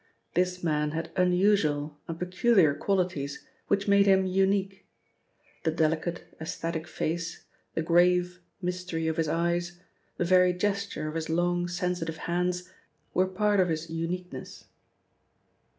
This man had unusual and peculiar qualities which made him unique. The delicate aesthetic face, the grave mystery of his eyes, the very gesture of his long, sensitive hands, were part of his uniqueness.